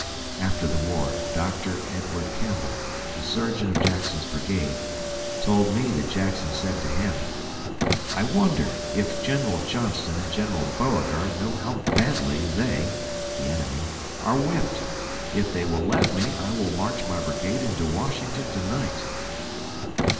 After the war Doctor Edward Campbell, a surgeon of Jackson's brigade, told me that Jackson said to him, "I wonder if General Johnston and General Beauregard know how badly they (the enemy) are whipped. If they will let me, I will march my brigade into Washington to night."